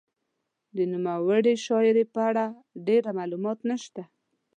د نوموړې شاعرې په اړه ډېر معلومات نشته.